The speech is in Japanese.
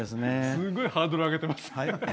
すごいハードル上げてますね。